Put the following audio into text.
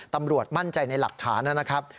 ตำรวจมั่นใจในหลักฐานนะครับ